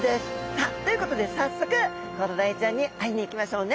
さあということで早速コロダイちゃんに会いに行きましょうね。